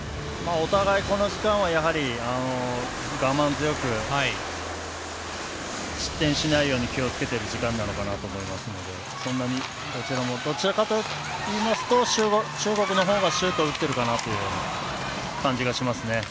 お互いこの時間は我慢強く失点しないように気をつけてる時間なのかなと思いますのでどちらかといいますと、中国の方がシュートを打っているかなという感じがしますね。